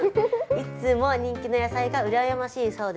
いつも人気の野菜がうらやましいそうです。